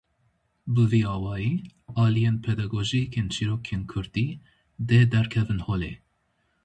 Bi vî awayî aliyên pedagojîk ên çîrokên kurdî dê derkevin holê.